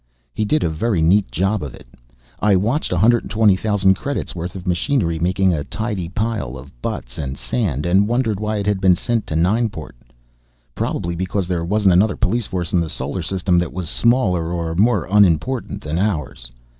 He did a very neat job of it. I watched 120,000 credits worth of machinery making a tidy pile of butts and sand and wondered why it had been sent to Nineport. Probably because there wasn't another police force in the solar system that was smaller or more unimportant than ours.